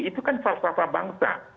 itu kan falsafah bangsa